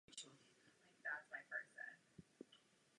V ní ovšem setrval pouze sezónu.